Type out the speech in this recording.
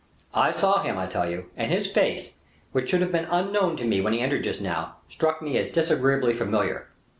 "I saw him, I tell you, and his face, which should have been unknown to me when he entered just now, struck me as disagreeably familiar."